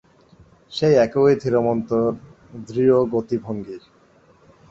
সেই একই ধীরমন্থর দৃঢ় গতিভঙ্গি।